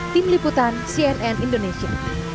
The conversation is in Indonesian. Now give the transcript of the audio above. tim liputan cnn indonesia